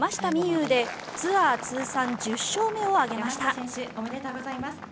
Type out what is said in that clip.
有でツアー通算１０勝目を挙げました。